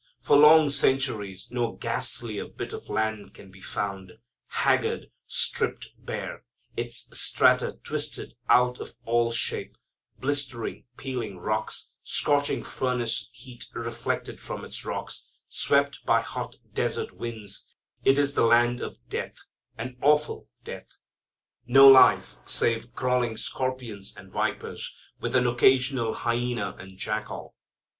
For long centuries no ghastlier bit of land can be found, haggard, stripped bare, its strata twisted out of all shape, blistering peeling rocks, scorching furnace heat reflected from its rocks, swept by hot desert winds, it is the land of death, an awful death; no life save crawling scorpions and vipers, with an occasional hyena and jackal.